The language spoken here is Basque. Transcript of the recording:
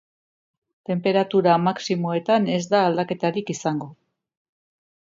Tenperatura maximoetan ez da aldaketarik izango.